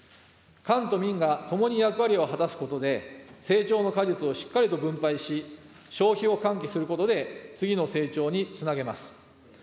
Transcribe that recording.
官と民がともに役割を果たすことで、成長の果実をしっかりと分配し、消費を喚起することで次の成長につなげます。